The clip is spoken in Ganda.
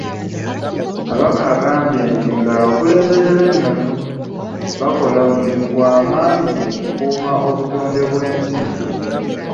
Kabaka yagambye nti ng'abakulembeze b'ennono, bakola omulimu gw'amaanyi mu kukuuma obutonde bw'ensi.